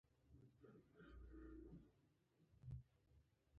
خپل ښوونځي ته یې لوی ویاړ او توره راوړه.